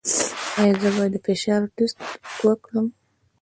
ایا زه باید د فشار ټسټ وکړم؟